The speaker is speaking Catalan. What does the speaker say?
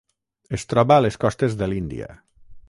Es troba a les costes de l'Índia.